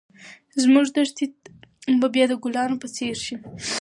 زموږ دښتې به بیا د ګلانو په څېر شي.